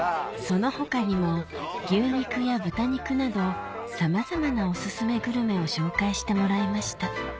その他にも牛肉や豚肉などさまざまなお薦めグルメを紹介してもらいました